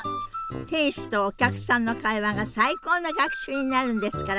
店主とお客さんの会話が最高の学習になるんですから。